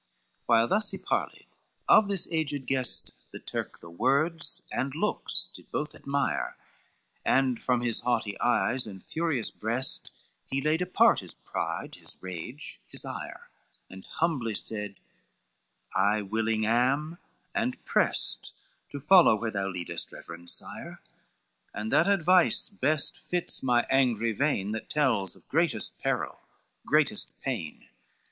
XIII While thus he parleyed, of this aged guest The Turk the words and looks did both admire, And from his haughty eyes and furious breast He laid apart his pride, his rage and ire, And humbly said, "I willing am and prest To follow where thou leadest, reverend sire, And that advice best fits my angry vein That tells of greatest peril, greatest pain."